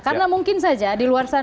karena mungkin saja di luar negara